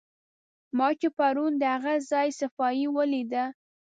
ما چې پرون د هغه ځای صفایي ولیده.